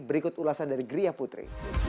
berikut ulasan dari gria putri